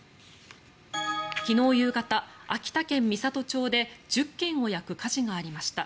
昨日夕方、秋田県美郷町で１０軒を焼く火事がありました。